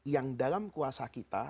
yang dalam kuasa kita